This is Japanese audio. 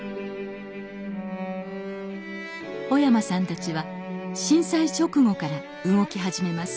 小山さんたちは震災直後から動き始めます。